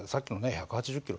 １８０キロ